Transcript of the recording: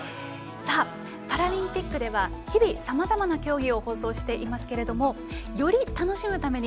パラリンピックでは日々、さまざまな競技を放送していますがより楽しむために